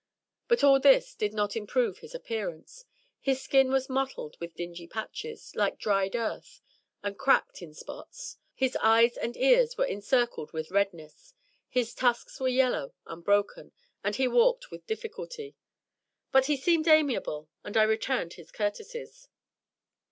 But all this did not improve his appearance. His skin was mottled with dingy patches, like dried earth, and cracked in spot^; his eyes and ears were, encircled with redness; his tusks were yellow and broken, and he walked with difficulty. But he seemed amiable, and I returned his courtesies.